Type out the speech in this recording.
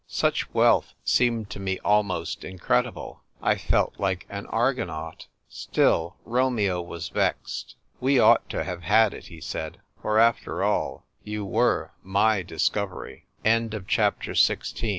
Such wealth seemed to me almost incredible. I felt like an Argo naut. Still, Romeo was vexed. "We ought to have had it," he said; "for, after all, you were my dis